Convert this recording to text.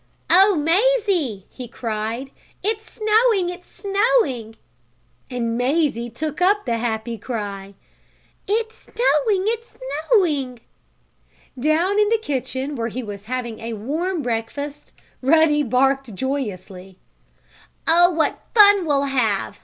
"Oh, Mazie!" he cried. "It's snowing! It's snowing!" And Mazie took up the happy cry: "It's snowing! It's snowing!" Down in the kitchen, where he was having a warm breakfast, Ruddy barked joyously. "Oh, what fun we'll have!"